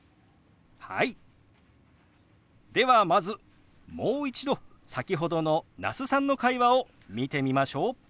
ではまずもう一度先ほどの那須さんの会話を見てみましょう。